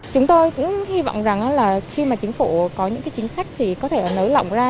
chúng tôi cũng hy vọng rằng là khi mà chính phủ có những cái chính sách thì có thể là nới lỏng ra